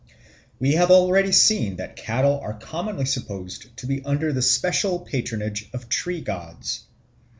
We have already seen that cattle are commonly supposed to be under the special patronage of tree gods.